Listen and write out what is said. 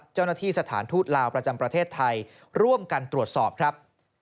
เจ้าหน้าที่สถานทูตลาวประจำประเทศไทยร่วมกันตรวจสอบ